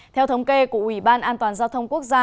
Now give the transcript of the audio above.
theo thống kê của ủy ban an toàn giao thông quốc gia